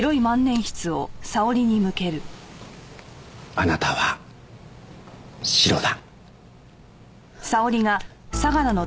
あなたはシロだ。